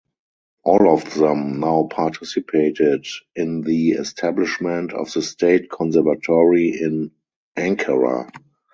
All of them now participated in the establishment of the State Conservatory in Ankara.